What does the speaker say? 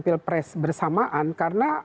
pilpres bersamaan karena